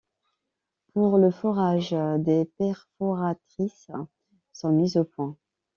Pour le forage, des perforatrices sont mises au point.